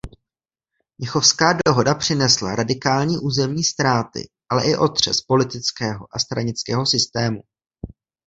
Mnichovská dohoda přinesla radikální územní ztráty ale i otřes politického a stranického systému.